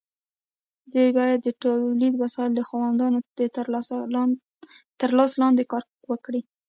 دوی باید د تولیدي وسایلو د خاوندانو تر لاس لاندې کار وکړي.